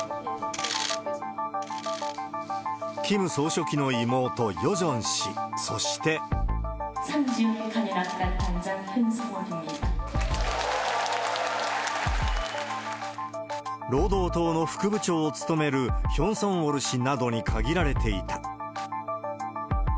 キム総書記の妹、ヨジョン氏、そして。労働党の副部長を務めるヒョン・ソンウォル氏などに限られていた。